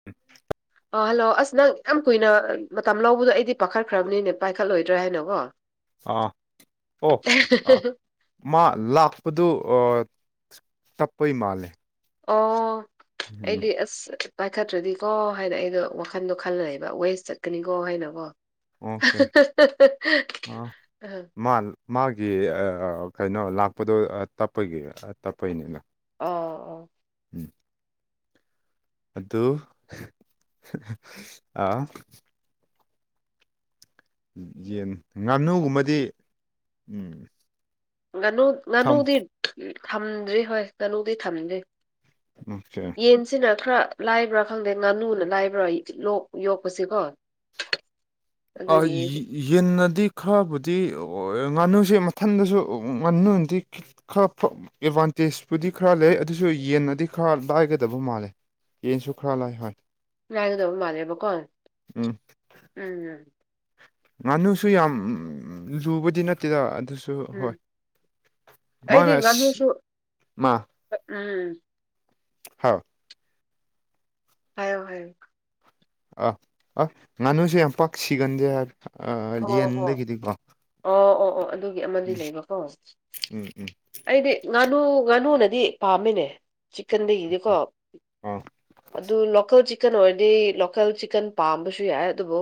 [inaudible] ꯑ ꯍꯜꯂꯣ ꯑꯁ ꯅꯪ ꯌꯥꯝ ꯀꯨꯏꯅ ꯃꯇꯝ ꯂꯧꯕꯗꯣ ꯑꯩꯗꯤ ꯄꯥꯈꯠꯈ꯭ꯔꯕꯅꯤꯅꯦ ꯄꯥꯏꯈꯠꯂꯣꯏꯗ꯭ꯔꯦ ꯍꯥꯏꯅꯀꯣ ꯑꯥ ꯑꯣ ꯑ ꯃꯥ ꯂꯥꯛꯄꯗꯨ ꯑꯥ ꯇꯞꯄꯩ ꯃꯥꯜꯂꯦ ꯑꯣ ꯎꯝ ꯑꯩꯗꯤ ꯑꯁ ꯄꯥꯏꯈꯠꯇ꯭ꯔꯗꯤꯀꯣ ꯍꯥꯏꯅ ꯑꯩꯗꯣ ꯋꯥꯈꯟꯗꯣ ꯈꯜꯂ ꯂꯩꯕ ꯋꯦꯁ ꯆꯠꯀꯅꯤꯀꯣ ꯍꯥꯏꯅꯀꯣ ꯑꯣꯀꯦ ꯑꯥ ꯑ ꯃꯥ ꯃꯥꯒꯤ ꯀꯩꯅꯣ ꯂꯥꯛꯄꯗꯣ ꯇꯞꯄꯒꯤ ꯇꯞꯄꯩꯅꯤꯅ ꯑꯣ ꯑꯣ ꯎꯝ ꯑꯗꯨ ꯑꯗꯨ ꯑ ꯌꯦꯟ ꯉꯥꯅꯨꯒꯨꯝꯕꯗꯤ ꯎꯝ ꯉꯥꯅꯨ ꯊꯝ ꯉꯥꯅꯨꯗꯤ ꯊꯝꯗ꯭ꯔꯤ ꯍꯣꯏ ꯉꯥꯅꯨꯗꯤ ꯊꯝꯗ꯭ꯔꯤ ꯑꯣꯀꯦ ꯌꯦꯟꯁꯤꯅ ꯈꯔ ꯂꯥꯏꯕ꯭ꯔꯥ ꯈꯪꯗꯦ ꯉꯥꯅꯨꯅ ꯂꯥꯏꯕ꯭ꯔꯥ ꯂꯣꯛ ꯌꯣꯛꯄꯁꯤ ꯀꯣ [unintelligible] ꯌꯦꯟꯅꯟꯅꯗꯤ ꯈꯔꯕꯨꯗꯤ ꯑꯣꯏ ꯉꯥꯅꯨꯁꯦ ꯃꯊꯟꯗꯁꯨ ꯉꯥꯅꯨꯗꯤ ꯈꯔ ꯑꯦꯗꯚꯥꯟꯇꯦꯖꯄꯨꯗꯤ ꯈꯔ ꯂꯩ ꯑꯗꯨꯁꯨ ꯌꯦꯟꯅꯗꯤ ꯈꯔ ꯂꯥꯏꯒꯗꯕ ꯃꯥꯜꯂꯦ ꯌꯦꯟꯁꯨ ꯈ꯭ꯔꯥ ꯂꯥꯏ ꯍꯣꯏ ꯅꯥꯏ ꯑꯗꯨꯗꯧ ꯃꯥꯜꯦꯕꯣ ꯀꯣꯣꯟ ꯎꯝ ꯎꯝ ꯎꯝ ꯉꯥꯅꯨꯁꯨ ꯌꯥꯝ ꯂꯨꯕꯗꯤ ꯅꯠꯇꯦꯗ ꯑꯗꯨꯁꯨ ꯁ ꯍꯣꯏ ꯎꯝ ꯑꯩꯗꯤ ꯃꯥꯅ ꯉꯥꯅꯨꯁꯨ ꯃꯥ ꯎꯝ ꯍꯥꯎ ꯍꯥꯏ ꯍꯥꯏꯌ ꯑꯥ ꯑ ꯉꯥꯅꯨꯁꯨ ꯌꯥꯝ ꯄꯥꯛ ꯁꯤꯒꯟꯗꯦ ꯍꯥꯏ ꯑꯣ ꯑꯣ ꯌꯦꯟꯗꯒꯤꯗꯤꯀꯣ ꯑꯣ ꯑꯣ ꯑꯣ ꯑꯗꯨꯒꯤ ꯑꯃꯗꯤ ꯎꯝ ꯂꯩꯕꯀꯣ ꯎꯝ ꯎꯝ ꯑꯩꯗꯤ ꯉꯥꯅꯨ ꯉꯥꯅꯨꯅꯗꯤ ꯄꯥꯝꯃꯤꯅꯦ ꯆꯤꯟꯗ ꯏꯗꯤꯀꯣ ꯑꯥ ꯑꯗꯨ ꯂꯣꯀꯦꯜ ꯆ ꯆꯤꯛꯀꯟ ꯑꯣꯏꯔꯗꯤ ꯂꯣꯀꯦꯜ ꯆꯤꯛꯀꯟ ꯄꯥꯝꯕꯁꯨ ꯌꯥꯏ ꯑꯗꯨꯕꯨ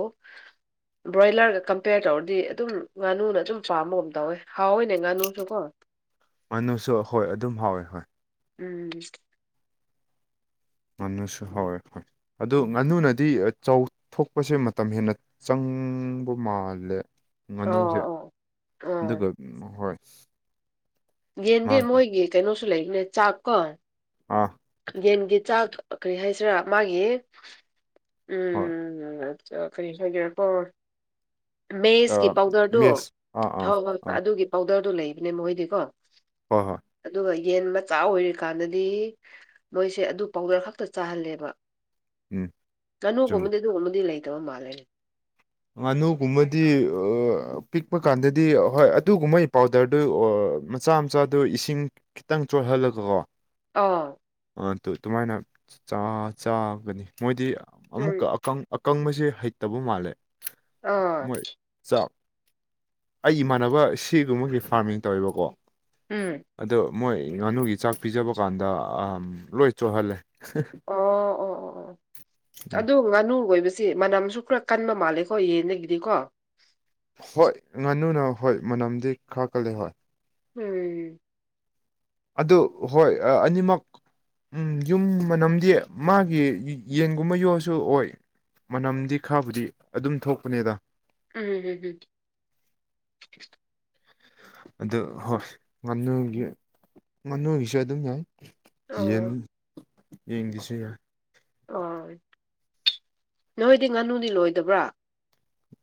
ꯕ꯭ꯔꯣꯏꯂꯔ ꯀꯝꯄꯦꯌꯔ ꯇꯧꯔꯗꯤ ꯑꯗꯨꯝ ꯉꯥꯅꯨꯅ ꯑꯗꯨꯝ ꯄꯥꯝꯕꯒꯨꯝ ꯇꯧꯋꯦ ꯍꯥꯎꯋꯏꯅꯦ ꯉꯥꯅꯨꯁꯨ ꯀꯣ ꯉꯅꯨꯁꯨ ꯍꯣꯏ ꯑꯗꯨꯝ ꯍꯥꯎꯋꯦ ꯍꯣꯏ ꯎꯝ ꯉꯥꯅꯨꯁꯨ ꯍꯋꯣꯏ ꯍꯣꯏ ꯑꯗꯨ ꯎꯝ ꯉꯥꯅꯨꯅ ꯗꯤ ꯆꯥꯎꯊꯣꯛꯄꯁꯦ ꯃꯇꯝ ꯍꯦꯟꯅ ꯆꯪꯕ ꯃꯥꯜꯂꯦ ꯑꯣ ꯉꯥꯅꯨꯁꯦ ꯑꯣ ꯑꯥ ꯑꯗꯨꯒ ꯍꯣꯏ ꯌꯦꯟꯗꯦ ꯃꯥꯒꯤ ꯃꯣꯏꯒꯤ ꯀꯩꯅꯣꯁꯨ ꯂꯩꯅꯦ ꯆꯥꯛꯀꯣ ꯑꯥ ꯌꯦꯟꯒꯤ ꯆꯥꯛ ꯀꯔꯤ ꯍꯥꯏꯁꯤꯔꯥ ꯃꯥꯒꯤ ꯍꯣꯏ ꯎꯝ ꯎꯝ ꯀꯔꯤ ꯍꯥꯏꯒꯦꯔ ꯄ ꯃꯦꯁꯀꯤ ꯑꯥ ꯄꯥꯎꯗꯔꯗꯣ ꯃꯦꯁ ꯑꯥ ꯑꯥ ꯍꯥꯎ ꯍꯣꯏ ꯑꯥ ꯑꯗꯨꯒꯤ ꯄꯥꯎꯗꯔꯗꯨꯣ ꯂꯩꯕꯅꯦ ꯃꯈꯣꯏꯗꯤꯀꯣ ꯍꯣꯏ ꯍꯣꯏ ꯑꯗꯨꯒ ꯌꯦꯟ ꯃꯆꯥ ꯑꯣꯏꯔꯤꯀꯥꯟꯗꯗꯤ ꯃꯣꯏꯁꯦ ꯑꯗꯨ ꯄꯥꯎꯗꯔ ꯈꯛꯇ ꯆꯥꯍꯜꯂꯦꯕ ꯎꯝ ꯆꯨꯝꯃꯦ ꯉꯥꯅꯨꯒꯕꯗꯤ ꯎꯃꯃꯤꯗꯤ ꯂꯩꯇꯕ ꯃꯥꯜꯅꯤ ꯉꯥꯅꯨꯒꯨꯝꯕꯗꯤ ꯄꯤꯛꯄ ꯀꯥꯟꯗꯗꯤ ꯍꯣꯏ ꯑꯗꯨꯒꯨꯝꯕꯩ ꯄꯥꯎꯗꯔꯗꯨ ꯃꯆꯥ ꯃꯆꯥꯗꯨ ꯏꯁꯤꯡ ꯈꯤꯇꯪ ꯆꯣꯠꯍꯜꯂꯒꯀꯣ ꯑꯥ ꯑꯗꯨꯃꯥꯏꯅ ꯆꯥꯒꯅꯤ ꯃꯣꯏꯗꯤ ꯑꯃꯨꯛꯀ ꯎꯝ ꯑꯀꯪꯕꯁꯦ ꯍꯩꯇꯕ ꯃꯥꯜꯂꯦ ꯑꯥ ꯃꯣꯏ ꯆꯥꯛ ꯑꯩ ꯏꯃꯥꯟꯅꯕ ꯁꯤꯒꯨꯝꯕꯒꯤ ꯐꯥꯔꯃꯤꯡ ꯇꯧꯋꯦꯕꯀꯣ ꯎꯝ ꯑꯗꯣ ꯃꯣꯏ ꯉꯥꯅꯨꯒꯤ ꯆꯥꯛ ꯄꯤꯖꯕ ꯀꯥꯟꯗ ꯂꯣꯏ ꯆꯣꯠꯍꯜꯂꯦ ꯑꯣ ꯑꯣ ꯑꯣ ꯑꯣ ꯎꯝ ꯑꯗꯨ ꯉꯥꯅꯨ ꯂꯣꯏꯕꯁꯤ ꯃꯅꯝꯁꯨ ꯈꯔ ꯀꯟꯕ ꯃꯥꯜꯂꯦꯀꯣ ꯌꯦꯟꯗꯒꯤꯗꯤ ꯀꯣ ꯍꯣꯏ ꯉꯥꯅꯨꯅ ꯍꯣꯏ ꯃꯅꯝꯗꯤ ꯈꯔ ꯀꯜꯂꯦ ꯍꯣꯏ ꯎꯝ ꯑꯗꯨ ꯍꯣꯏ ꯑꯅꯤꯃꯛ ꯎꯝ ꯌꯨꯝ ꯃꯅꯝꯗꯤ ꯃꯥꯒꯤ ꯌꯦꯟꯒꯨꯝꯕ ꯌꯣꯛꯑꯁꯨ ꯑꯣꯏ ꯃꯅꯝꯗꯤ ꯈꯥꯕꯨꯗꯤ ꯑꯗꯨꯝ ꯊꯣꯛꯄꯅꯦꯗ ꯎꯝ ꯎꯝ ꯎꯝ ꯑꯗꯨ ꯍꯣꯏ ꯉꯥꯅꯨꯒꯤ ꯉꯥꯅꯨꯒꯤꯁꯨ ꯑꯗꯨꯝ ꯌꯥꯏ ꯌꯦꯟ ꯑꯣ ꯌꯦꯟꯒꯤꯁ ꯑꯣ ꯅꯣꯏꯗꯤ ꯉꯥꯅꯨꯗꯤ ꯂꯣꯏꯗꯕ꯭ꯔꯥ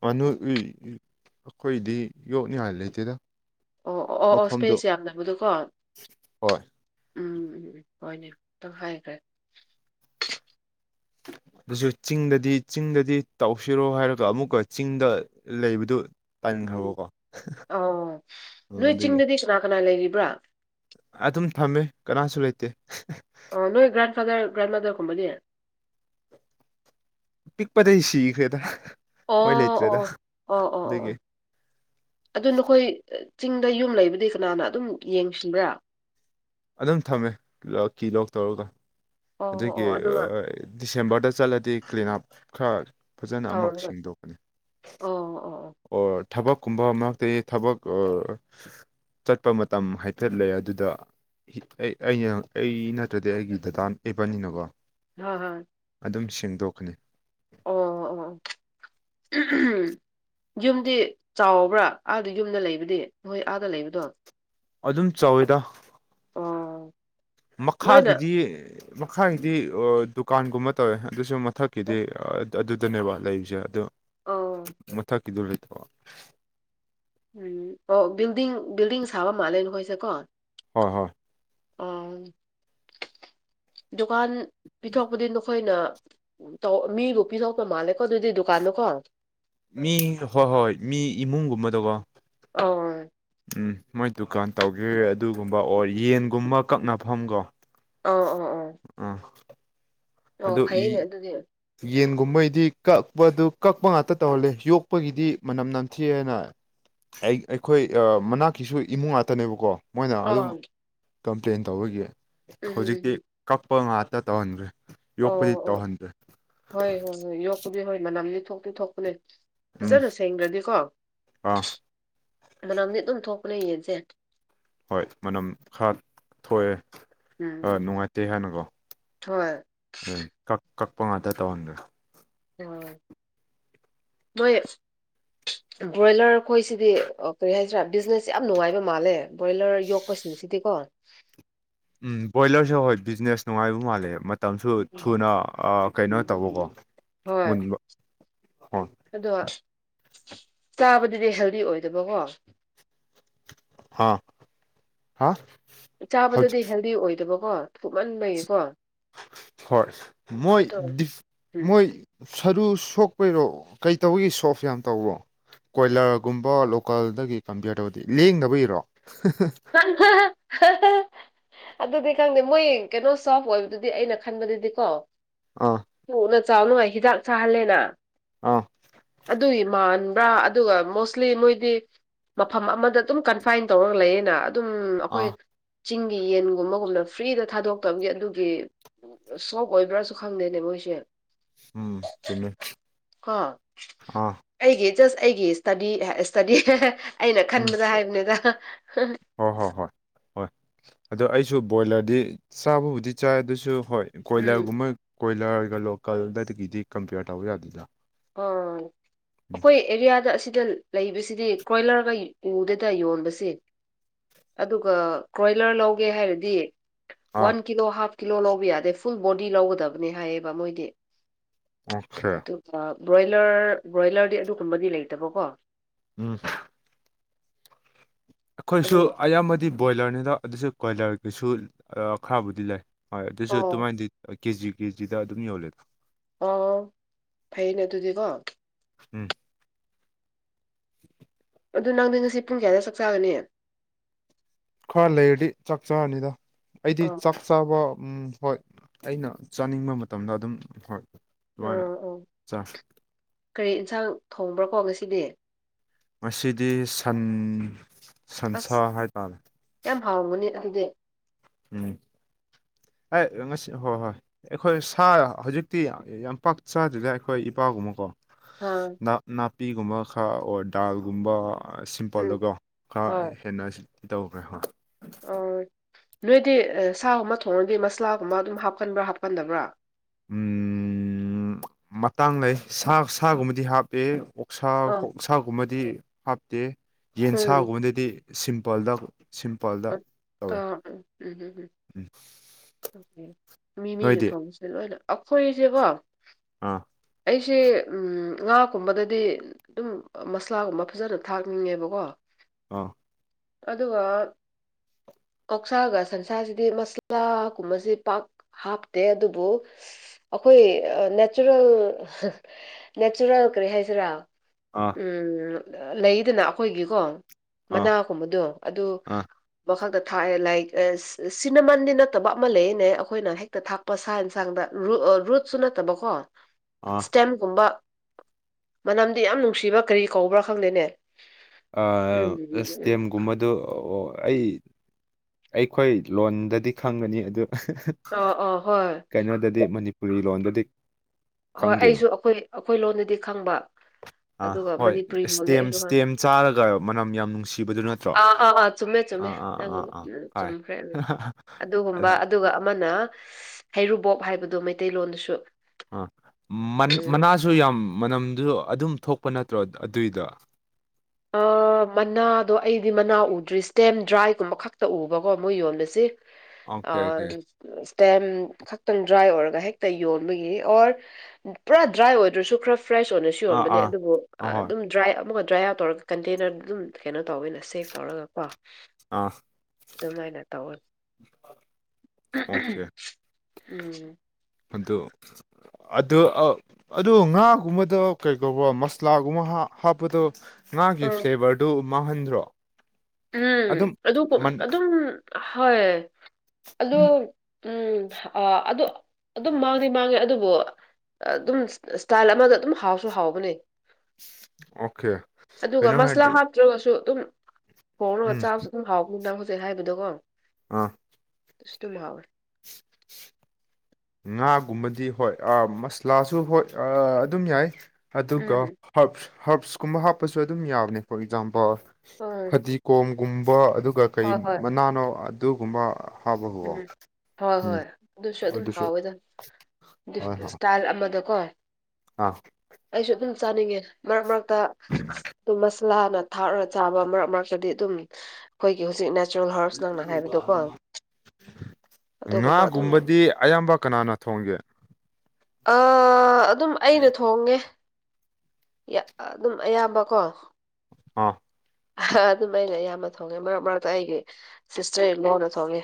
ꯑꯅꯨ [unintelligible] ꯑꯩꯈꯣꯏꯗꯤ ꯌꯣꯛꯅꯤꯉꯥꯏ ꯂꯩꯇꯦꯗ ꯑꯣ ꯑꯣ ꯑꯣ ꯑꯣ ꯃꯐꯝꯗꯣ ꯏꯁꯄꯦꯁ ꯌꯥꯝꯗꯕꯗꯣꯀꯣ ꯍꯣꯏ ꯎꯝ ꯍꯣꯏꯅꯦ ꯑꯝꯇꯪ ꯍꯥꯏꯈ꯭ꯔꯦ ꯑꯗꯨꯁꯨ ꯆꯤꯡꯗꯗꯤ ꯆꯤꯡꯗꯗꯤ ꯇꯧꯁꯤꯔꯣ ꯍꯥꯏꯔꯒ ꯑꯃꯨꯛꯀ ꯆꯤꯡꯗ ꯂꯩꯕꯗꯨ ꯎꯝ ꯇꯟꯈ꯭ꯔꯕꯀꯣ ꯑꯣ ꯅꯣꯏ ꯑꯗꯨꯒꯤ ꯆꯤꯡꯗꯗꯤ ꯀꯅꯥ ꯀꯅꯥ ꯂꯩꯔꯤꯕ꯭ꯔꯥ ꯑꯗꯨꯝ ꯊꯝꯃꯦ ꯀꯅꯥꯁꯨ ꯂꯩꯇꯦ ꯑ ꯅꯣꯏ ꯒꯥꯔ꯭ꯟꯐꯥꯗꯔ ꯒ꯭ꯔꯥꯟꯃꯗꯔ ꯀꯨꯝꯕꯗꯤ ꯄꯤꯛꯄꯗꯩ ꯁꯤꯈ꯭ꯔꯦꯗ ꯑꯣ ꯃꯣꯏ ꯑꯣ ꯂꯩꯇ꯭ꯔꯦꯗ ꯑꯣ ꯑꯣ ꯑꯣ ꯑꯗꯨꯒꯤ ꯑꯣ ꯑꯗꯨ ꯅꯈꯣꯏ ꯆꯤꯡꯗ ꯌꯨꯝ ꯂꯩꯕꯗꯤ ꯀꯅꯥꯅ ꯑꯗꯨꯝ ꯌꯦꯡꯁꯤꯟꯕ꯭ꯔꯥ ꯑꯗꯨꯝ ꯊꯝꯃꯦ ꯂꯣꯛ ꯀꯤ ꯂꯣꯛ ꯇꯧꯔꯒ ꯑꯣ ꯑꯗꯨꯒꯤ ꯑꯣ ꯑꯗꯨꯒ ꯗꯤꯁꯦꯝꯕꯔꯗ ꯆꯠꯂꯗꯤ ꯀ꯭ꯂꯤꯟ ꯑꯞ ꯈꯔ ꯐꯖꯅ ꯑꯃꯛ ꯇꯧꯔꯒ ꯁꯦꯡꯗꯣꯛꯀꯅꯤ ꯑꯣ ꯑꯣ ꯑꯣ ꯑꯣꯔ ꯊꯕꯛꯀꯨꯝꯕ ꯃꯔꯛꯇꯒꯤ ꯊꯕꯛ ꯑꯣ ꯆꯠꯄ ꯃꯇꯝ ꯍꯥꯏꯐꯦꯠ ꯂꯩ ꯑꯗꯨꯗ ꯑꯩ ꯑꯩꯅ ꯑꯩ ꯅꯠꯇ꯭ꯔꯗꯤ ꯑꯩꯒꯤ ꯗꯇꯥ ꯏꯕꯟꯅꯤꯅꯀꯣ ꯍꯣꯏ ꯍꯣꯏ ꯑꯗꯨꯝ ꯁꯦꯡꯗꯣꯛꯀꯅꯤ ꯑꯣ ꯌꯨꯝꯗꯤ ꯆꯥꯎꯕ꯭ꯔꯥ ꯑꯥꯗ ꯌꯨꯝꯗ ꯂꯩꯕꯗꯤ ꯅꯣꯏ ꯑꯥꯗ ꯂꯩꯕꯗꯣ ꯑꯗꯨꯝ ꯆꯥꯎꯋꯦꯗ ꯑꯣ ꯂꯣꯏꯅ ꯃꯈꯥꯒꯤꯗꯤ ꯃꯈꯥꯒꯤꯗꯤ ꯗꯨꯀꯥꯟꯒꯨꯝꯕ ꯇꯧꯋꯦ ꯑꯗꯨꯁꯨ ꯃꯊꯛꯀꯤꯗꯤ ꯑꯣ ꯑꯗꯨꯗꯅꯦꯕ ꯂꯩꯔꯤꯁꯦ ꯑꯗꯨ ꯑꯣ, ꯃꯊꯛꯀꯤꯗꯣ ꯂꯩꯇꯕ ꯎꯝ ꯑꯣ ꯕꯤꯜꯗꯤꯡ ꯕꯤꯜꯗꯤꯡ ꯁꯥꯕ ꯃꯥꯜꯂꯦ ꯅꯈꯣꯏꯁꯦ ꯀꯣ ꯍꯣꯏ ꯍꯣꯏ ꯑꯣ ꯗꯨꯀꯥꯟ ꯄꯤꯊꯣꯛꯄꯗꯤ ꯅꯈꯣꯏꯅ ꯃꯤꯕꯨ ꯄꯤꯊꯣꯛꯄ ꯃꯥꯜꯂꯦꯀꯣ ꯑꯗꯨꯗꯤ ꯗꯨꯀꯥꯟꯗꯣꯀꯣ ꯃꯤ ꯍꯣꯏ ꯍꯣꯏ ꯃꯤ ꯏꯃꯨꯡꯒꯨꯝꯕꯗꯀꯣ ꯑꯣ ꯎꯝ ꯃꯣꯏ ꯗꯨꯀꯥꯟ ꯇꯧꯒꯦ ꯑꯗꯨꯒꯨꯝꯕ ꯑꯣꯔ ꯌꯦꯟꯒꯨꯝꯕ ꯀꯛꯅꯐꯝꯒꯣ ꯑ ꯑꯣ ꯑꯣ ꯑꯥ ꯑꯗꯣ ꯑꯗꯨꯗꯤ ꯌꯦꯟꯒꯨꯝꯕꯩꯗꯤ ꯀꯛꯄꯗꯨ ꯀꯛꯄ ꯉꯥꯛꯇ ꯇꯧꯍꯜꯂꯦ ꯌꯣꯛꯄꯒꯤꯗꯤ ꯃꯅꯝ ꯅꯝꯊꯤ ꯍꯥꯏꯅ ꯑꯩ ꯑꯩꯈꯣꯏ ꯃꯅꯥꯛꯀꯤꯁꯨ ꯏꯃꯨꯡ ꯉꯥꯛꯇꯅꯦꯕꯀꯣ ꯃꯣꯏꯅ ꯑꯗꯨꯝ ꯑꯥ ꯎꯝ ꯀꯝꯄ꯭ꯂꯦꯟ ꯇꯧꯕꯒꯤ ꯎꯝ ꯎꯝ ꯍꯧꯖꯤꯛꯇꯤ ꯎꯝ. ꯀꯞꯄ ꯉꯥꯛꯇ ꯇꯧꯍꯟꯒꯔꯦ ꯑꯣ ꯌꯣꯛꯄꯗꯤ ꯑꯣ ꯇꯧꯍꯟꯗ꯭ꯔꯦ ꯍꯣꯏ ꯍꯣꯏ ꯍꯣꯏ ꯌꯣꯛꯄꯗꯤ ꯍꯣꯏ ꯃꯅꯝꯗꯤ ꯊꯣꯛꯇꯤ ꯊꯣꯛꯄꯅꯦ ꯎꯝ ꯐꯖꯅ ꯁꯦꯡꯗꯔꯗꯤꯀꯣ ꯑꯥ ꯃꯅꯝꯗꯤ ꯑꯗꯨꯝ ꯊꯣꯛꯄꯅꯦ ꯌꯦꯟꯁꯦ ꯍꯣꯏ ꯃꯅꯝ ꯈꯔ ꯊꯣꯛꯑꯦ ꯑ ꯎꯝ ꯅꯨꯡꯉꯥꯏꯇꯦ ꯍꯥꯟꯅꯀꯣ ꯍꯣꯏ ꯎ ꯀꯛ ꯀꯛꯄ ꯉꯥꯛꯇ ꯇꯧꯍꯟꯗ꯭ꯔꯦ ꯑ ꯃꯣꯏ ꯕ꯭ꯔꯣꯏꯂꯔ ꯑꯩꯈꯣꯏꯁꯤꯗꯤ ꯀꯔꯤ ꯍꯥꯏꯁꯤꯔꯥ ꯕꯤꯖꯤꯅꯦꯁꯁꯦ ꯌꯥꯝꯅ ꯅꯨꯡꯉꯥꯏꯕ ꯃꯥꯜꯂꯦ ꯕ꯭ꯔꯣꯏꯂꯔ ꯌꯣꯛꯄꯁꯤꯡꯁꯤꯗꯤꯀꯣ ꯎꯝ ꯕꯣꯏꯂꯔꯁꯨ ꯍꯣꯏ ꯕꯤꯖꯤꯅꯦꯁ ꯅꯨꯡꯉꯥꯏꯕ ꯃꯥꯜꯂꯦ ꯃꯇꯝꯁꯨ ꯎꯝ. ꯊꯨꯅ ꯀꯩꯅꯣ ꯇꯧꯕꯀꯣ ꯍꯣꯏ ꯃꯨꯟꯕ ꯍꯣꯏ ꯑꯗꯣ ꯆꯥꯕꯗꯨꯗꯤ ꯍꯦꯜꯗꯤ ꯑꯣꯏꯗꯕꯀꯣ ꯍꯥꯥ ꯍꯥ ꯆꯥꯕꯗꯗꯤ ꯍꯦꯜꯗꯤ ꯑꯣꯏꯗꯕꯀꯣ ꯊꯨꯞꯍꯟꯕꯩꯌꯦꯀꯣ ꯍ ꯃꯣꯏ ꯎꯝ ꯃꯣꯏ ꯁꯔꯨ ꯁꯣꯛꯄꯩꯔꯣ ꯀꯩꯇꯧꯒꯤ ꯁꯣꯐ ꯌꯥꯝ ꯇꯧꯕꯣ ꯀꯣꯏꯂꯔꯒꯨꯝꯕ ꯂꯣꯀꯜꯗꯒꯤ ꯀꯝꯄꯤꯌꯔ ꯇꯧꯕꯗꯤ ꯂꯦꯡꯗꯕ ꯏꯔꯣ [unintelligible] ꯑꯗꯨꯗꯤ ꯈꯪꯗꯦ ꯃꯣꯏ ꯀꯩꯅꯣ ꯁꯣꯐ ꯑꯣꯏꯕꯗꯨꯗꯤ ꯑꯩꯅ ꯈꯟꯕꯗꯨꯗꯤ ꯀꯣ ꯑꯥ ꯂꯨꯅ ꯆꯥꯎꯅꯉ ꯍꯤꯗꯥꯛ ꯆꯥꯍꯜꯂꯦꯅ ꯑꯥ ꯑꯗꯨꯏꯃ ꯑꯗꯨꯒ ꯃꯣꯁꯂꯤ ꯃꯣꯏꯗꯤ ꯃꯐꯝ ꯑꯃꯗ ꯑꯗꯨꯝ ꯀꯟꯐꯥꯏꯟ ꯇꯧꯔꯒ ꯂꯩꯌꯦꯅ ꯑꯗꯨꯝ ꯑꯩꯈꯣꯏ ꯑꯥ ꯆꯤꯡꯒꯤ ꯌꯦꯟꯒꯨꯝꯕꯒꯨꯝꯕ ꯐ꯭ꯔꯤꯗ ꯊꯥꯗꯣꯛꯇꯕꯒꯤ ꯑꯗꯨꯒꯤ ꯁꯕ ꯑꯣꯏꯕ꯭ꯔꯥꯁꯨ ꯈꯪꯗꯦꯅꯦꯕꯣꯏꯁꯦ ꯎꯝ ꯆꯨꯝꯃꯦ ꯀꯣ ꯑꯥ ꯑꯩꯒꯤ ꯖꯁ ꯑꯩꯒꯤ ꯏꯁꯇꯗꯤ ꯏꯁꯇꯗꯤ ꯑꯩꯅ ꯎꯝ ꯈꯟꯕꯗ ꯍꯥꯏꯕꯅꯤꯗ ꯍꯣꯏ ꯍꯣꯏ ꯍꯣꯏ ꯍꯣꯏ ꯑꯣ ꯑꯩꯁꯨ ꯕꯣꯏꯂꯔꯗꯤ ꯆꯥꯕꯕꯨꯗꯤ ꯆꯥꯏ ꯑꯗꯨꯁꯨ ꯍꯣꯏ ꯎꯝ ꯀꯣꯏꯂꯔꯒꯨꯝꯕ ꯀꯣꯏꯂꯔꯒ ꯂꯣꯀꯜꯗꯒꯤꯗꯤ ꯀꯝꯄꯤꯌꯔ ꯇꯧꯕ ꯌꯥꯗꯣꯏꯗ꯭ꯔꯥ ꯑ ꯑꯩꯈꯣꯏ ꯑꯦꯔꯤꯌꯥꯗ ꯑꯁꯤꯗ ꯂꯩꯕꯁꯤꯗꯤ ꯀ꯭ꯔꯣꯏꯂꯔꯒ ꯎꯗꯗ ꯌꯣꯟꯕꯁꯦ ꯑꯗꯨꯒ ꯀ꯭ꯔꯣꯏꯂꯔ ꯂꯧꯒꯦ ꯍꯥꯏꯔꯗꯤ ꯑꯥ ꯋꯥꯟ ꯀꯤꯂꯣ ꯍꯥꯐ ꯀꯤꯂꯣ ꯂꯧꯕ ꯌꯥꯗꯦ ꯐꯨꯜ ꯕꯣꯗꯤ ꯂꯧꯒꯗꯕꯅꯤ ꯍꯥꯏꯌꯦꯕ ꯃꯣꯏꯗꯤ ꯑꯆꯥ ꯑꯗꯨꯒ ꯕ꯭ꯔꯣꯏꯂꯔ ꯕ꯭ꯔꯣꯏꯂꯔꯗꯤ ꯑꯗꯨꯒꯨꯝꯕꯗꯤ ꯂꯩꯇꯕꯀꯣ ꯎꯝ ꯑꯩꯈꯣꯏꯁꯨ ꯑꯗꯨꯒꯤ ꯑꯌꯥꯝꯕꯗꯤ ꯕꯣꯏꯂꯔꯅꯤꯗ ꯑꯗꯨꯁꯨ ꯀꯣꯏꯂꯔꯒꯤꯁꯨ ꯈꯔꯕꯨꯗꯤ ꯂꯩ ꯍꯣꯏ ꯑꯗꯨꯏꯁꯨ ꯑꯣ ꯑꯗꯨꯃꯥꯏꯅꯗꯤ ꯀꯦꯖꯤ ꯀꯦꯖꯤꯗ ꯑꯗꯨꯝ ꯌꯣꯜꯂꯦꯗ ꯑꯥ ꯐꯩꯅꯦ ꯑꯗꯨꯗꯤꯀꯣ ꯎꯝ [inaudible] ꯑꯗꯨ ꯅꯪꯗꯤ ꯉꯁꯤ ꯄꯨꯡ ꯀꯌꯥꯏꯗ ꯆꯠ ꯆꯥꯒꯅꯤ ꯈꯔ ꯂꯩꯔꯗꯤ ꯆꯥꯛ ꯆꯥꯔꯅꯤꯗ ꯑꯩꯗꯤ ꯑꯣ ꯆꯥꯛ ꯆꯥꯕ ꯎꯝ ꯍꯣꯏ ꯑꯩꯅ ꯆꯥꯅꯤꯡꯕ ꯃꯇꯝꯗ ꯑꯗꯨꯝ ꯍꯣꯏ ꯎꯥ ꯑꯗꯨꯃꯥꯏꯅ ꯑꯣ ꯆꯥꯏ ꯀꯔꯤ ꯑꯦꯟꯁꯥꯡ ꯊꯣꯡꯕ꯭ꯔꯥꯀꯣ ꯉꯁꯤꯗꯤ ꯃꯁꯤꯗꯤ ꯁꯟ ꯁꯟꯁꯥ ꯑꯁ ꯍꯥꯏꯇꯥꯔꯦ ꯌꯥꯝ ꯍꯥꯎꯒꯅꯤ ꯑꯗꯨꯗꯤ ꯎꯝ ꯑꯦ ꯉꯁꯤ ꯍꯣꯏ ꯍꯣꯏ ꯑꯩꯈꯣꯏ ꯁꯥ ꯍꯧꯖꯤꯛꯇꯤ ꯌꯥꯝ ꯄꯥꯛ ꯆꯥꯗ꯭ꯔꯤꯗ ꯑꯩꯈꯣꯏ ꯏꯄꯥꯥꯎꯒꯨꯝꯕ ꯀꯣ ꯍꯥꯥ ꯅꯥꯄꯤꯒꯨꯝꯕ ꯈꯔ ꯑꯣꯔ ꯗꯥꯜꯒꯨꯝꯕ ꯎꯝ ꯁꯤꯝꯄꯜꯗꯀꯣ ꯍꯣꯏ ꯈꯔ ꯍꯦꯟꯅ ꯁꯤ ꯇꯧꯈ꯭ꯔꯦ ꯍꯣꯏ ꯑꯣ ꯅꯣꯏꯗꯤ ꯁꯥꯒꯨꯝꯕ ꯊꯣꯡꯉꯗꯤ ꯃꯁꯂꯥꯒꯨꯝꯕ ꯑꯗꯨꯝ ꯍꯥꯞꯀꯟꯕ꯭ꯔꯥ ꯍꯥꯞꯄꯟꯗꯕ꯭ꯔꯥ ꯎ ꯃꯇꯥꯡ ꯂꯩ ꯁꯥ ꯁꯥꯒꯨꯝꯕꯗꯤ ꯍꯥꯞꯄꯦ ꯑꯣꯛꯁ ꯑ ꯀꯛꯁꯥꯒꯨꯝꯕꯗꯤ ꯍꯥꯞꯇꯦ ꯎꯝ ꯌꯦꯟꯁꯥꯒꯨꯝꯕꯗꯗꯤ ꯁꯤꯝꯄꯜꯗ ꯁꯤꯝꯄꯜꯗ ꯇꯧꯋꯦ ꯎꯝ ꯑꯣ ꯃꯤ ꯃꯤꯁꯨ ꯅꯣꯏꯗꯤ ꯊꯣꯡꯕꯁꯦ ꯂꯣꯏꯅ ꯑꯩꯈꯣꯏꯁꯦꯕꯣ ꯑꯥ ꯑꯩꯁꯦ ꯉꯥꯀꯨꯝꯕꯗꯗꯤ ꯑꯗꯨꯝ ꯃꯁꯂꯥꯒꯨꯝꯕ ꯐꯖꯅ ꯊꯥꯛꯅꯤꯡꯉꯦꯕꯀꯣ ꯑꯥ ꯑꯗꯨꯒ ꯀꯥꯛꯁꯥꯒ ꯁꯟꯁꯥꯁꯤꯗꯤ ꯃꯁꯂꯥꯒꯨꯝꯕꯁꯤ ꯄꯥꯛ ꯍꯥꯞꯇꯦ ꯑꯗꯨꯕꯨ ꯑꯩꯈꯣꯏ ꯅꯦꯆꯔꯦꯜ ꯅꯦꯆꯔꯦꯜ ꯀꯔꯤ ꯍꯥꯏꯁꯤꯔꯥ ꯑꯥ ꯎꯝ ꯂꯩꯗꯅ ꯑꯩꯈꯣꯏꯒꯤꯀꯣ ꯑꯥ ꯃꯅꯥꯒꯨꯝꯕꯗꯣ ꯑꯗꯨ ꯑꯥ ꯋꯥꯈꯜꯗ ꯊꯥꯛꯑꯦ ꯂꯥꯏꯛ ꯁꯤꯅꯃꯟꯗꯤ ꯅꯠꯇꯕ ꯑꯃ ꯂꯩꯌꯦꯅꯦ ꯑꯩꯈꯣꯏꯅ ꯍꯦꯛꯇ ꯊꯥꯛꯄ ꯁꯥ ꯌꯦꯟꯁꯥꯡꯗ ꯔꯨꯠꯁꯨ ꯅꯠꯇꯕꯀꯣ [unintelligible] ꯑꯣꯐ ꯑꯦꯝꯒꯨꯝꯕ ꯃꯅꯝꯗꯤ ꯌꯥꯝ ꯅꯨꯡꯁꯤꯕ ꯀꯔꯤ ꯀꯧꯕ꯭ꯔꯥ ꯈꯪꯗꯦꯅꯦ ꯎꯝ ꯏꯁꯇꯦꯝꯒꯨꯝꯕꯗꯣ ꯑꯩ ꯑꯩꯈꯣꯏ ꯂꯣꯟꯗꯗꯤ ꯈꯪꯒꯅꯤ ꯑꯗꯨ ꯑ ꯑ ꯍꯣꯏ ꯀꯩꯅꯣꯗꯗꯤ ꯃꯅꯤꯄꯨꯔꯤ ꯂꯣꯟꯗꯗꯤ ꯍꯣꯏ ꯈꯪꯗꯦꯅꯦ ꯑꯩꯁꯨ ꯑꯩꯈꯣꯏ ꯑꯩꯈꯣꯏ ꯂꯣꯟꯗꯗꯤ ꯈꯪꯕ ꯑꯥ ꯑꯗꯨꯒ ꯍꯣꯏ ꯃꯅꯤꯄꯨꯔꯤ ꯂꯣꯟꯗ ꯏꯁꯇꯦꯝ ꯑꯩꯁꯨ ꯈꯪ ꯏꯁꯇꯦꯝ ꯆꯥꯔꯒ ꯃꯅꯝ ꯌꯥꯝ ꯅꯨꯡꯁꯤꯕꯗꯨ ꯅꯠꯇ ꯑꯥ ꯑꯥ ꯑꯥ ꯆꯨꯝꯃꯦ ꯆꯨꯝꯃꯦ ꯅꯪ ꯑꯥ ꯍꯣꯏ ꯆꯨꯝꯈ꯭ꯔꯦ ꯑꯗꯨ ꯑꯗꯨꯒꯨꯝꯕ ꯑꯗ ꯑꯗꯨꯒ ꯑꯃꯅ ꯍꯩꯔꯨꯕꯣꯞ ꯍꯥꯏꯕꯗꯣ ꯃꯩꯇꯩꯂꯣꯟꯗꯨꯁꯨ ꯑ ꯃꯅꯥꯁꯨ ꯌꯥꯝ ꯃꯅꯝꯗꯨ ꯑꯗꯨꯝ ꯊꯣꯛꯄ ꯅꯠꯇ꯭ꯔꯣ ꯑꯗꯨꯏꯗ ꯃꯅꯥꯗꯣ ꯑꯩꯗꯤ ꯃꯅꯥ ꯎꯗ꯭ꯔꯤ ꯁ꯭ꯇꯦꯝ ꯗ꯭ꯔꯥꯏꯒꯨꯝꯕ ꯈꯛꯇ ꯎꯕꯀꯣ ꯃꯣꯏ ꯌꯣꯂꯁꯤ ꯑꯣꯀꯦ ꯑꯣꯀꯦ ꯑꯣ ꯏꯁꯇꯦꯝ ꯈꯛꯇꯪ ꯗ꯭ꯔꯥꯏ ꯑꯣꯏꯔꯒ ꯍꯦꯛꯇ ꯌꯣꯟꯕꯒꯤ ꯑꯣꯔ ꯄꯨꯔꯥ ꯗ꯭ꯔꯥꯏ ꯑꯣꯏꯗ꯭ꯔꯁꯨ ꯈ꯭ꯔ ꯐ꯭ꯔꯦꯁ ꯑꯣꯏꯅꯁꯨ ꯑꯥ ꯌꯣꯟꯕꯅꯦ ꯑꯥ ꯑꯗꯨꯕꯨ ꯑꯍꯣꯏ ꯑꯗꯨꯝ ꯗ꯭ꯔꯥꯏ ꯑꯃꯒ ꯗ꯭ꯔꯥꯏ ꯑꯥꯎꯠ ꯇꯧꯔꯒ ꯀꯟꯇꯦꯅꯔ ꯑꯗꯨꯝ ꯀꯩꯅꯣ ꯇꯧꯋꯅꯦ ꯁꯦꯐ ꯇꯧꯔꯒꯀꯣ ꯑꯥ ꯑꯗꯨꯃꯥꯏꯅ ꯇꯧꯋꯅꯤ ꯎꯝ ꯑꯗꯨꯗꯨ ꯑꯗ ꯑ ꯑꯗꯣ ꯉꯥꯒꯨꯝꯕꯗ ꯀꯩ ꯀꯧꯕꯧꯕ ꯃꯁꯂꯥꯒꯨꯝꯕ ꯍꯥꯞꯄꯗꯣ ꯉꯒꯤ ꯎꯝ ꯐ꯭ꯂꯦꯚꯔꯗꯨ ꯃꯥꯡꯍꯟꯗ꯭ꯔꯣ ꯎꯝ ꯑꯗꯨꯝ ꯑꯗꯨ ꯃꯟ ꯑꯗꯨꯝ ꯍꯣꯏ ꯑꯗꯨ ꯎꯝ ꯑ ꯑꯗꯨ ꯑꯗꯨꯝ ꯃꯥꯡꯗꯤꯦ ꯃꯥꯡꯉꯦ ꯑꯗꯨꯕꯨ ꯑꯗꯨꯝ ꯏꯁꯇꯥꯏꯜ ꯑꯃꯗ ꯑꯗꯨꯝ ꯍꯥꯎꯁꯨ ꯍꯥꯎꯕꯅꯦ ꯑꯣꯀꯦ ꯑꯗꯨꯒ ꯀꯩꯅꯣ ꯃꯁꯂꯥ ꯍꯥꯏꯔꯗꯤ ꯍꯥꯞꯇ꯭ꯔꯒꯁꯨ ꯑꯗꯨꯝ ꯍꯣꯡꯅꯒ ꯎꯝ ꯆꯥꯕꯁꯨ ꯑꯗꯨꯝ ꯍꯥꯎ ꯅꯨꯡꯗꯥꯡ ꯍꯧꯖꯤꯛ ꯍꯥꯏꯕꯗꯣꯀꯣ ꯑꯥ ꯁ ꯇ ꯂꯂꯥꯎꯋꯠ [unintelligible] ꯉꯥꯒꯨꯝꯕꯗꯤ ꯍꯣꯏꯥ ꯃꯁꯂꯥꯁꯨ ꯍꯣꯏ ꯑꯗꯨꯝ ꯌꯥꯏ ꯑꯗꯨꯒ ꯎꯝ ꯍꯞꯁ ꯍꯞꯁꯀꯨꯝꯕ ꯍꯥꯞꯄꯁꯨ ꯑꯗꯨꯝ ꯌꯥꯕꯅꯦ ꯐꯣꯔ ꯑꯦꯛꯖꯥꯝꯄꯜ ꯍ ꯐꯗꯤ ꯀꯣꯝꯒꯨꯝꯕ ꯑꯗꯨꯒ ꯀꯩ ꯃꯅꯥꯅꯣ ꯑꯗꯨꯒꯨꯝꯕ ꯍꯥꯞꯄꯒꯀꯣ ꯎꯝ ꯍꯣꯏ ꯎꯝ ꯍꯣꯏ ꯑꯗꯨꯁꯨ ꯑꯗꯨꯝ ꯑꯗꯨꯁꯨ ꯍꯥꯎꯋꯦꯗ ꯍꯣꯏ ꯍꯣꯏ [unintelligible] ꯑꯃꯗꯀꯣ ꯑꯥ ꯑꯩꯁꯨ ꯑꯗꯨꯝ ꯆꯥꯅꯤꯡꯉꯦ ꯃꯔꯛ ꯃꯔꯛꯇ [unintelligible] ꯂꯥꯅ ꯊꯥꯛꯔ ꯆꯥꯕ ꯃꯔꯛ ꯃꯔꯛꯇꯗꯤ ꯑꯗꯨꯝ ꯑꯩꯈꯣꯏꯒꯤ ꯍꯧꯖꯤꯛ ꯅꯦꯆꯔꯦꯜ ꯍꯥꯔꯕꯁ ꯅꯪꯅ ꯍꯥꯏꯕꯗꯣ ꯀꯣ ꯉꯥꯒꯨꯝꯕꯗꯤ ꯑꯌꯥꯝꯕ ꯀꯅꯥꯅ ꯊꯣꯡꯒꯦ ꯑ ꯑꯗꯨꯝ ꯑꯩꯅ ꯊꯣꯡꯉꯦ ꯑꯗꯨꯝ ꯑꯌꯥꯝꯕꯀꯣ ꯑꯥ ꯑꯗꯨꯝ ꯑꯩꯅ ꯑꯌꯥꯝꯕ ꯊꯣꯡꯉꯦ ꯃꯔꯛ ꯃꯔꯛꯇ ꯑꯩꯒꯤ ꯁꯤꯁꯇꯔ ꯏꯟ ꯂꯣꯅ ꯊꯣꯡꯉꯦ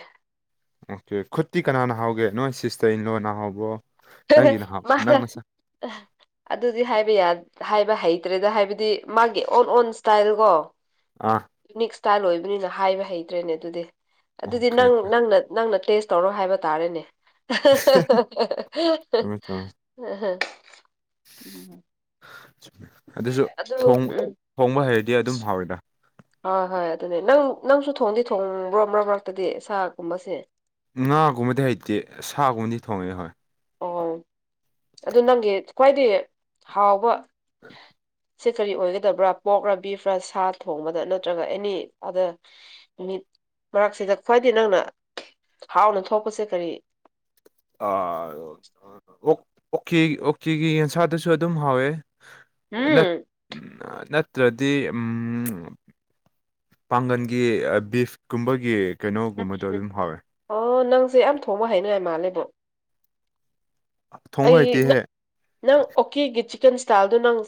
ꯑꯣꯀꯦ ꯈꯨꯠꯇꯤ ꯀꯅꯅꯥ ꯍꯥꯎꯒꯦ ꯅꯣꯏ ꯁꯤꯁꯇ ꯏꯟꯂꯣꯅ ꯍꯥꯎꯕ꯭ꯔꯣ ꯅꯪꯒꯤꯅ ꯍꯥꯎ ꯅꯪ ꯅꯁꯥ [unintelligible] ꯑꯗꯨꯗꯤ ꯍꯥꯏꯕ ꯌꯥ ꯍꯥꯏꯕ ꯍꯩꯇ꯭ꯔꯦꯗ ꯍꯥꯏꯕꯗꯤ ꯃꯥꯒꯤ ꯑꯣꯟ ꯑꯣꯟ ꯁꯇꯥꯏꯜꯀꯣ ꯑ ꯌꯨꯅꯤꯛ ꯏꯁ꯭ꯇꯥꯏꯜ ꯑꯣꯏꯕꯅꯤꯅ ꯍꯥꯏꯕ ꯍꯩꯇ꯭ꯔꯦꯅꯦ ꯑꯗꯨꯗꯤ ꯑꯗꯨꯗꯤ ꯑꯣꯀꯦ ꯅꯪ ꯅꯪꯅ ꯅꯪꯅ ꯇꯦꯁ ꯇꯧꯔ ꯍꯥꯏꯕ ꯇꯥꯔꯦꯅꯦ ꯆꯨꯝꯃꯦ ꯆꯨꯝꯃꯦ [unintelligible] [unintelligible] ꯑꯗꯨꯁꯨ ꯑꯗꯨ ꯊꯣꯡ ꯎꯝ ꯊꯣꯡꯕ ꯍꯩꯔꯗꯤ ꯑꯗꯨꯝ ꯍꯥꯎꯔꯦꯗ ꯍꯣꯏ ꯍꯣꯏ ꯑꯗꯨꯅꯦ ꯅꯪ ꯅꯪꯁꯨ ꯊꯣꯡꯗꯤ ꯊꯣꯡꯕ꯭ꯔꯣ ꯃꯔ꯭ꯛ ꯃꯔꯛꯇꯗꯤ ꯁꯥꯒꯨꯝꯕꯁꯦ ꯉꯥꯒꯨꯝꯕꯗꯤ ꯍꯩꯇꯦ ꯁꯥꯒꯨꯝꯕꯗꯤ ꯊꯣꯡꯉꯦ ꯍꯣꯏ ꯑꯣ ꯑꯗꯨ ꯅꯪꯒꯤ ꯈ꯭ꯋꯥꯏꯗꯩ ꯍꯥꯎꯕ [unintelligible] ꯁꯤ ꯀꯔꯤ ꯑꯣꯏꯒꯗꯕ꯭ꯔꯥ ꯄꯣꯛ꯭ꯔꯥ ꯕꯤꯐ꯭ꯔꯥ ꯁꯥ ꯊꯣꯡꯕꯗ ꯅꯠꯇ꯭ꯔꯒ ꯑꯦꯅꯤ ꯑꯗ ꯃꯤꯠ ꯃꯔꯛꯁꯤꯗ ꯈ꯭ꯋꯥꯏꯗꯩ ꯅꯪꯅ ꯍꯥꯎꯅ ꯊꯣꯛꯄꯁꯦ ꯀꯔꯤ ꯑ ꯑꯣ ꯑꯣꯀꯦ ꯑꯣꯀꯦꯒꯤ ꯌꯦꯟꯁꯥꯗꯨꯁꯨ ꯑꯗꯨꯝ ꯍꯥꯎꯋꯦ ꯅꯠ ꯎꯝ ꯅꯠ ꯇ꯭ꯔꯗꯤ ꯎꯝ ꯄꯥꯡꯒꯟꯒꯤ ꯕꯤꯐ ꯀꯨꯝꯕꯒꯤ ꯀꯩꯅꯣꯒꯨꯝꯕꯗꯣ ꯑꯗꯨꯝ ꯍꯥꯎꯋꯦ ꯑꯣ ꯅꯪꯁꯦ ꯌꯥꯝ ꯊꯣꯡꯕ ꯍꯥꯏꯅꯉꯥꯏ ꯃꯥꯜꯂꯦꯕꯣ ꯊꯣꯡꯕ ꯑꯩ ꯍꯩꯇꯦꯍꯦ ꯅꯪ ꯅꯪ ꯑꯣꯀꯦꯒꯤ ꯆꯤꯀꯟ ꯁ꯭ꯇꯥꯏꯜꯗꯣ ꯅꯪ